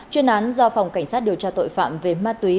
chuyên án do phòng cảnh sát điều tra tội phạm về ma túy